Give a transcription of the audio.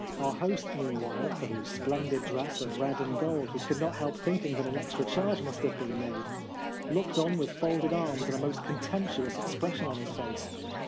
Our host, meanwhile (for whose splendid dress of red and gold we could not help think ing that an extra charge must have been made), looked on with folded arms, and a most contemptuous ex pression on his face.